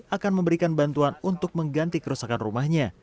akan memberikan bantuan untuk mengganti kerusakan rumahnya